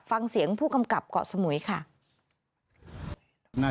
ฟังเสียงผู้กำกับเกาะสมุยค่ะ